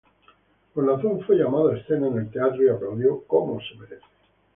Con razón fue llamado a escena en el teatro y aplaudido como se merece.